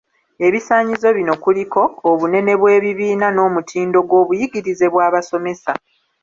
Ebisaanyizo bino kuliko; obunene bw’ebibiina n'omutindo gw’obuyigirize bw’abasomesa.